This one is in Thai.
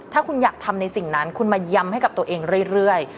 ถ้าคุณอยากทำในสิ่งนั้นคุณมาย้ำให้กับตัวเองเรื่อย